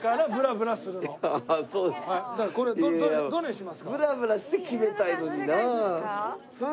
ぶらぶらして決めたいのにな。